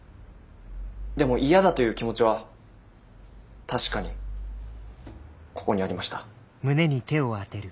でも嫌だという気持ちは確かにここにありました。